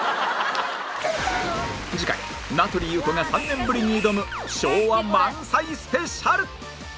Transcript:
次回名取裕子が３年ぶりに挑む昭和満載スペシャル